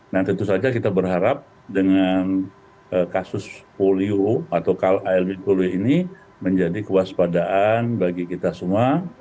nah tentu saja kita berharap dengan kasus polio atau kalb polio ini menjadi kewaspadaan bagi kita semua